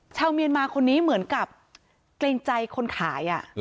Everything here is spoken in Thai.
ชาวเมียนมาคนนี้เหมือนกับเกรงใจคนขาย